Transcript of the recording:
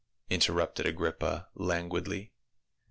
interrupted Agrippa languidly.